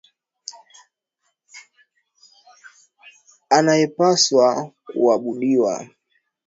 Anayepaswa kuabudiwa.